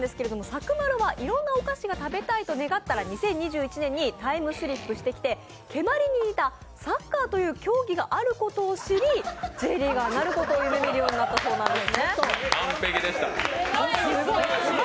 サクまろはいろんなお菓子が食べたいと願ったらタイムスリップしてきて蹴鞠に似たサッカーという競技があることを知り、Ｊリーガーになることを夢見たそうなんです。